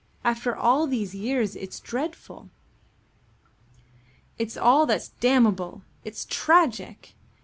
After all these years it's dreadful." "It's all that's damnable. It's tragic.